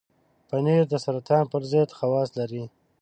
پنېر د سرطان پر ضد خواص لري.